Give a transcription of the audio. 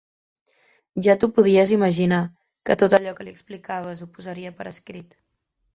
Ja t'ho podies imaginar, que tot allò que li explicaves ho posaria per escrit.